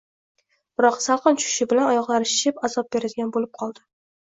Biroq salqin tushishi bilan oyoqlari shishib, azob beradigan bo‘lib qoldi.